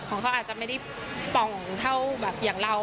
ของเขาอาจจะไม่ได้ป่องเท่าแบบอย่างเรา